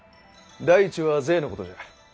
第一は税のことじゃ。